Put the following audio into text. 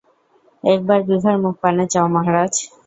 একবার বিভার মুখপানে চাও, মহারাজ।